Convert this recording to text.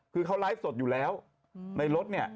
คือเขาไลฟ์สดอยู่แล้วในรถเนี่ย